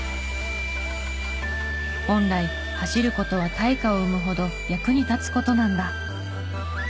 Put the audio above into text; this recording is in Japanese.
本来走る事は対価を生むほど役に立つ事なんだ。